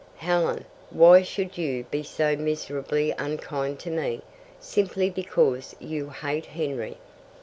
Helen, why should you be so miserably unkind to me, simply because you hate Henry?"